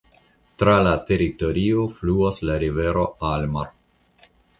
Tra la teritorio fluas la rivero Almar.